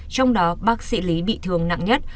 trong đó bác sĩ lý bị thương nặng nhất